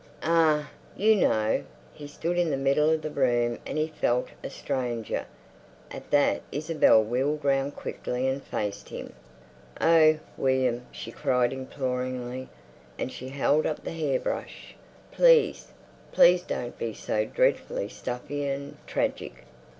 "Ah, you know!" He stood in the middle of the room and he felt a stranger. At that Isabel wheeled round quickly and faced him. "Oh, William!" she cried imploringly, and she held up the hair brush: "Please! Please don't be so dreadfully stuffy and—tragic.